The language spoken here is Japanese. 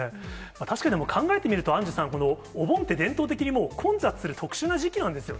確かに、考えてみると、アンジュさん、このお盆って、伝統的にもう混雑する特殊な時期なんですよ